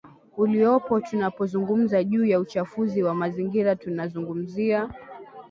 uliopo Tunapozungumza juu ya uchafuzi wa mazingira tunazungumzia